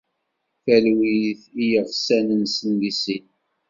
Talwit i yiɣsan-nsen di sin.